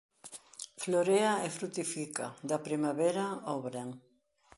Florea e frutifica da primavera ao verán.